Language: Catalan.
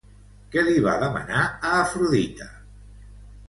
Què li va demanar a Afrodita?